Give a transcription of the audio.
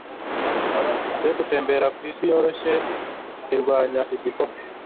yo gutembera ku isi yoroshye, irwanya igikoma